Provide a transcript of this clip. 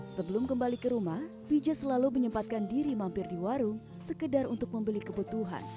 sebelum kembali ke rumah pija selalu menyempatkan diri mampir di warung sekedar untuk membeli kebutuhan